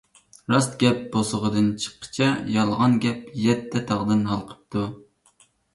راست گەپ بۇسۇغىدىن چىققىچە، يالغان گەپ يەتتە تاغدىن ھالقىپتۇ.